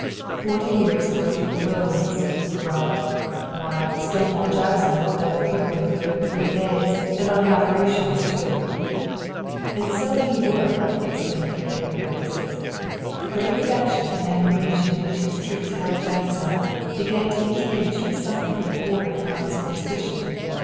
"Forty years going through the wilderness," he growled. "Why, Stonewall Jackson would have double quicked 'em through in three days, and on half rations, too." "And so he would," exclaimed Harry with emphasis. The great affection and admiration in which his troops held Jackson began to be tinged with something that bordered upon superstition.